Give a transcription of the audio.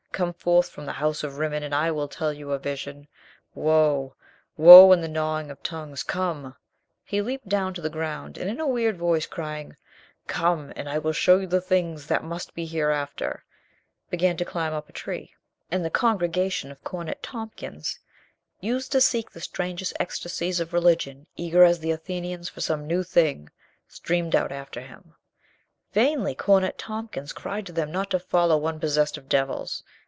Come forth from the house of Rimmon and I will tell you a vision. Woe! Woe and the gnawing of tongues ! Come !" He leaped down to the ground, and in a weird voice crying, "Come, and I will show you the things that must be hereafter !" began to climb up a tree. And the congregation of Cornet Tompkins, used to seek the strangest ecstasies of religion, eager as the Athenians for some new thing, streamed out after him. Vainly Cornet Tompkins cried to them not to follow one possessed of devils.